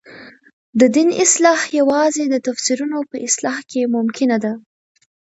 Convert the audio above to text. د دین اصلاح یوازې د تفسیرونو په اصلاح کې ممکنه ده.